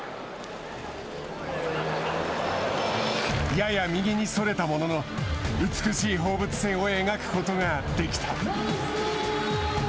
やや右にそれたものの美しい放物線を描くことができた。